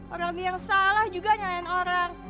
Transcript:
orang yang salah juga nyalain orang